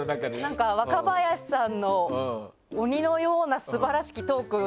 何か、若林さんの鬼のような素晴らしきトーク